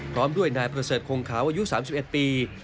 พร้อมด้วยนายประเสริฐคงขาวอายุ๓๑ปี